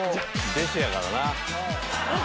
弟子やからな。